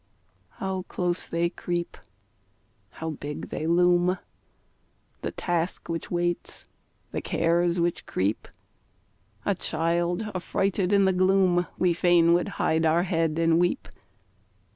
How close they creep! How big they loom! The Task which waits, the Cares which creep; A child, affrighted in the gloom, We fain would hide our head and weep.